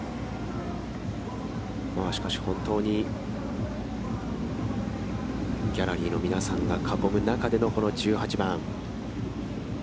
しかし本当に、ギャラリーの皆さんが囲む中でのこの１８番。